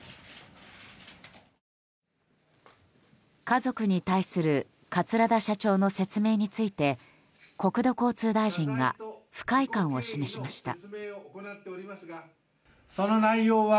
家族に対する桂田社長の説明について国土交通大臣が不快感を示しました。